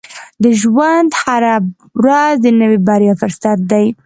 • د ژوند هره ورځ د نوې بریا فرصت دی.